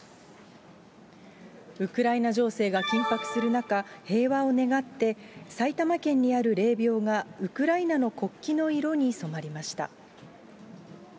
ウクライナ情勢が緊迫する中、平和を願って、埼玉県にある霊びょうがウクライナの国旗の色に染まりました。